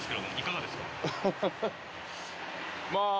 まあ。